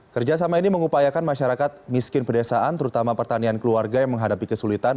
kerjasama ini mengupayakan masyarakat miskin pedesaan terutama pertanian keluarga yang menghadapi kesulitan